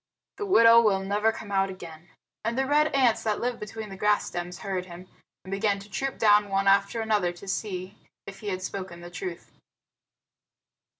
"The widow will never come out again." And the red ants that live between the grass stems heard him, and began to troop down one after another to see if he had spoken the truth.